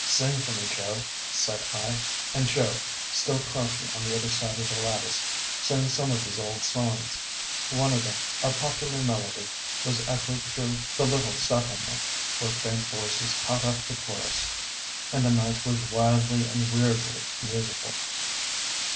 "Sing for me, Joe," said I; and Joe, still crouching on the other side of the lattice, sang some of his old songs. One of them, a popular melody, was echoed through the little settlement, where faint voices caught up the chorus, and the night was wildly and weirdly musical.